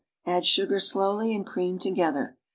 Add sugar slowly and cream together.